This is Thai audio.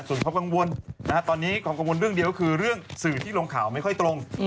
ส่วนของกังวลนะครับตอนนี้ของกังวลเรื่องเดียวคือเรื่องสื่อที่ลงข่าวไม่ค่อยตรง